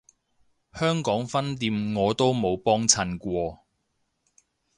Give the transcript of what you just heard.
香港分店我都冇幫襯過